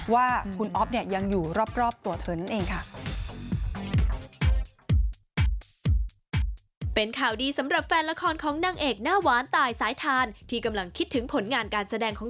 ว่าคุณอ๊อฟเนี่ยยังอยู่รอบตัวเธอนั่นเองค่ะ